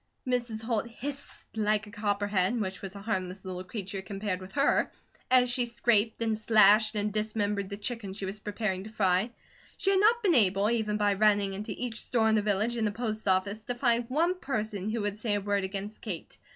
Mrs. Holt hissed like a copperhead, which was a harmless little creature compared with her, as she scraped, and slashed, and dismembered the chicken she was preparing to fry. She had not been able, even by running into each store in the village, and the post office, to find one person who would say a word against Kate.